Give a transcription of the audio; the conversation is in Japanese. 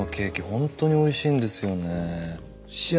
本当においしいんですよね。